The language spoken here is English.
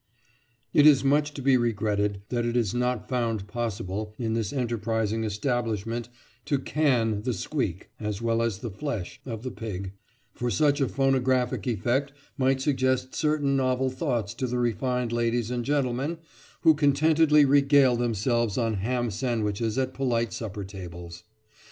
It is much to be regretted that it is not found possible, in this enterprising establishment, to "can" the squeak, as well as the flesh, of the pig; for such a phonographic effect might suggest certain novel thoughts to the refined ladies and gentlemen who contentedly regale themselves on ham sandwiches at polite supper tables.